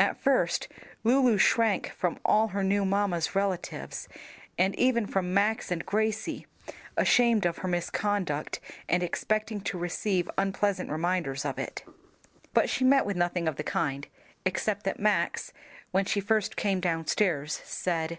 At first Lulu shrank from all her new mamma's relatives, and even from Max and Gracie, ashamed of her misconduct and expecting to receive unpleasant reminders of it. But she met with nothing of the kind, except that Max, when she first came downstairs, said.